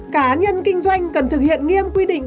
cá nhân kinh doanh cần thực hiện nghiêm quy định